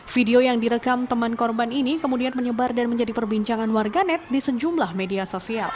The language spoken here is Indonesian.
video yang direkam teman korban ini kemudian menyebar dan menjadi perbincangan warganet di sejumlah media sosial